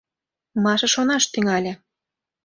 — Маша шонаш тӱҥале.